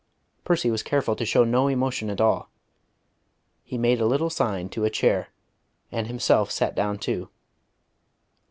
Percy was careful to show no emotion at all. He made a little sign to a chair, and himself sat down too.